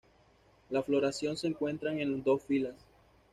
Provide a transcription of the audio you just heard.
La floración se encuentran en dos filas.